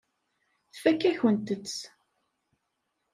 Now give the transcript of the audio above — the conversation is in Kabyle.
Tfakk-akent-tt.